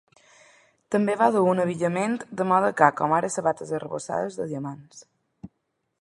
També va dur un abillament de moda car, com ara "sabates arrebossades de diamants".